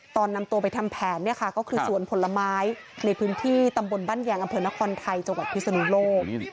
ตอนนำตัวไปทำแผนเนี่ยค่ะก็คือสวนผลไม้ในพื้นที่ตำบลบ้านแยงอำเภอนครไทยจังหวัดพิศนุโลก